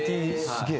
すげえ！